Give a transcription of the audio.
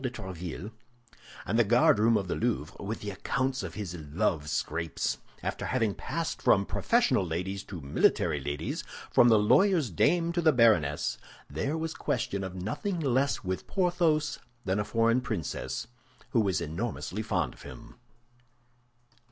de Tréville and the guardroom of the Louvre with the accounts of his love scrapes, after having passed from professional ladies to military ladies, from the lawyer's dame to the baroness, there was question of nothing less with Porthos than a foreign princess, who was enormously fond of him.